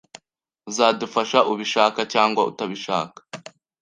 Uzadufasha, ubishaka cyangwa utabishaka.